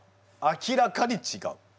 明らかにちがう。